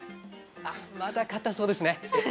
まだ、かたそうですね。